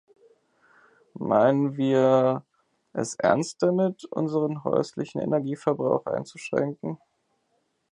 Meinen wir es ernst damit, unseren häuslichen Energieverbrauch einzuschränken?